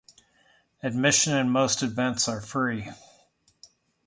Admission and most events are free.